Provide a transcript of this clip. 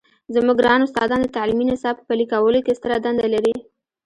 زموږ ګران استادان د تعلیمي نصاب په پلي کولو کې ستره دنده لري.